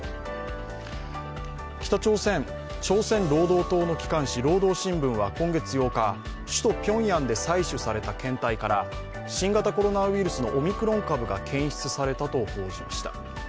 北朝鮮朝鮮労働党の機関紙「労働新聞」は今月８日首都ピョンヤンで採取された検体から新型コロナウイルスのオミクロン株が検出されたと報じました。